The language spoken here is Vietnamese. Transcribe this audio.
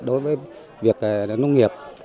đối với việc nông nghiệp